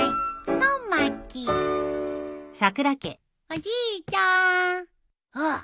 おじいちゃーん。